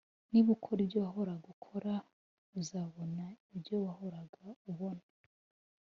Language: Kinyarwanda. "niba ukora ibyo wahoraga ukora, uzabona ibyo wahoraga ubona."